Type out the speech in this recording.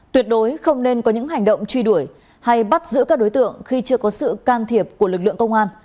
tuyệt đối không nên có những hành động truy đuổi hay bắt giữ các đối tượng khi chưa có sự can thiệp của lực lượng công an